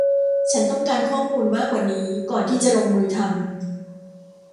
ฉันต้องการข้อมูลมากกว่านี้ก่อนที่จะลงมือทำ